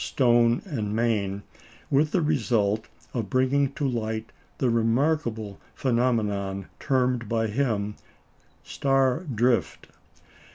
Stone and Main, with the result of bringing to light the remarkable phenomenon termed by him "star drift."